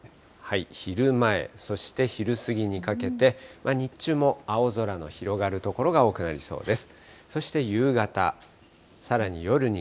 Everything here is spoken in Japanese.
昼前、そして昼過ぎにかけて、日中も青空の広がる所が多くなりそうです。